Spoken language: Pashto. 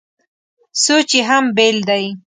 سوچ یې هم بېل دی.